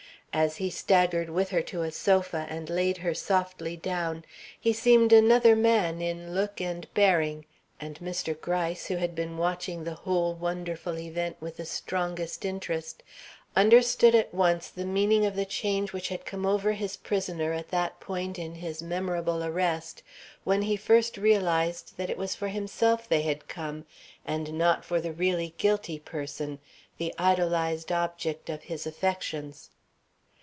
As he staggered with her to a sofa and laid her softly down, he seemed another man in look and bearing; and Mr. Gryce, who had been watching the whole wonderful event with the strongest interest, understood at once the meaning of the change which had come over his prisoner at that point in his memorable arrest when he first realized that it was for himself they had come, and not for the really guilty person, the idolized object of his affections.